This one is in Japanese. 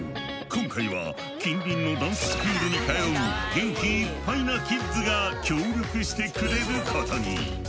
今回は近隣のダンススクールに通う元気いっぱいなキッズが協力してくれることに。